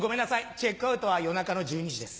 チェックアウトは夜中の１２時です。